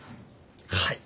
はい。